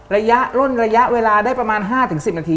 ล่นระยะเวลาได้ประมาณ๕๑๐นาที